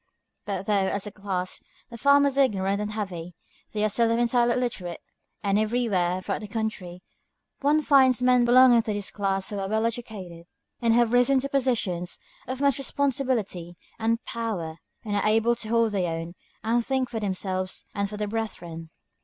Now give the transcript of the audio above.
But though, as a class, the farmers are ignorant and heavy, they are seldom entirely illiterate; and everywhere, throughout the country, one finds men belonging to this class who are well educated and have risen to positions of much responsibility and power, and are able to hold their own, and think for themselves and for their brethren.